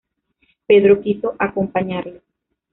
Pedro quiso acompañarlo.